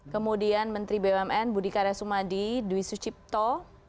kemudian menteri bumn budi karya sumadi dwi sucipto